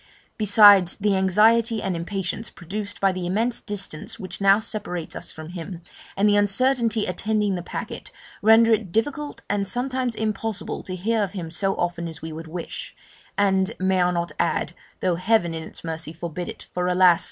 Besides, the anxiety and impatience produced by the immense distance which now separates us from him, and the uncertainty attending the packet, render it difficult and sometimes impossible to hear of him so often as we would wish and, may I not add (though Heaven in its mercy forbid it for alas!